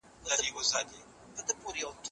واردات د اقتصادي ودې سبب کېږي.